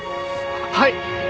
はい！